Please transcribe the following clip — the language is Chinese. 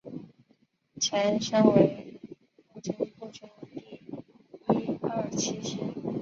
前身为陆军步兵第一二七师